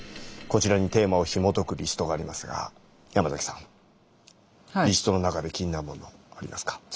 こちらにテーマをひもとくリストがありますがヤマザキさんリストの中で気になるものありますか？